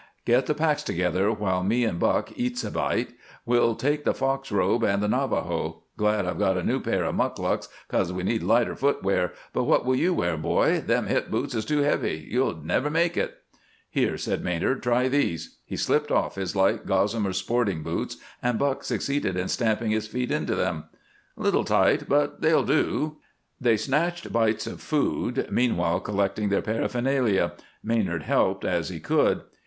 "Get the packs together while me and Buck eats a bite. We'll take the fox robe and the Navajo. Glad I've got a new pair of mukluks, 'cause we need light footgear; but what will you wear, boy? Them hip boots is too heavy you'd never make it." "Here," said Maynard, "try these." He slipped off his light gossamer sporting boots, and Buck succeeded in stamping his feet into them. "Little tight, but they'll go." They snatched bites of food, meanwhile collecting their paraphernalia, Maynard helping as he could.